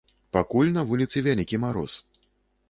Пакуль на вуліцы вялікі мароз.